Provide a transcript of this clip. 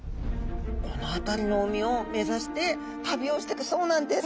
この辺りの海を目指して旅をしていくそうなんです。